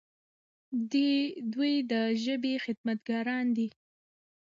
دوی د ژبې خدمتګاران دي.